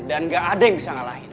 dan gak ada yang bisa ngalahin